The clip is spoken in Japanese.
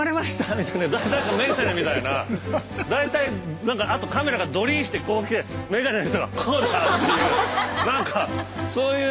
みたいな誰かメガネみたいな大体何かあとカメラがドリーしてこう来てメガネの人がこうだっていう何かそういう。